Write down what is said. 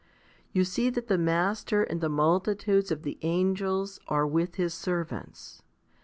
4 You see that the Master and the multi tudes of the angels are with His servants.